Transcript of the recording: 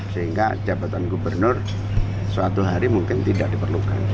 sehingga jabatan gubernur suatu hari mungkin tidak diperlukan